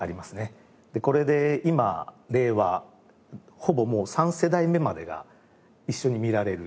これで今令和ほぼもう３世代目までが一緒に見られる。